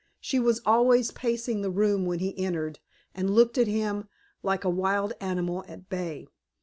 She was always pacing the room when he entered and looked at him like a wild animal at bay.